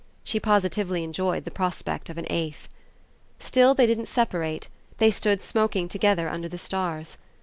She positively enjoyed the prospect of an eighth. Still they didn't separate; they stood smoking together under the stars.